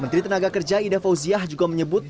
menteri tenaga kerja ida fauziah juga menyebut